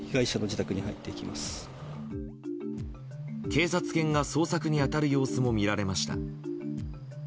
警察犬が捜索に当たる様子も見られました。